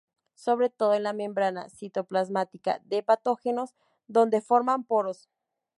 Sobre todo en la membrana citoplasmática de patógenos, donde forman poros.